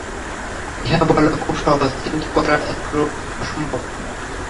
ইহা বলা খুব সহজ, কিন্তু করা একরূপ অসম্ভব।